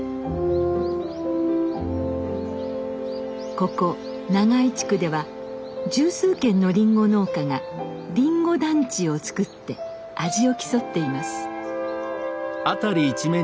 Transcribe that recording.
ここ長井地区では十数軒のりんご農家が「りんご団地」を作って味を競っています。